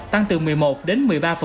tăng từ một mươi một đến một mươi ba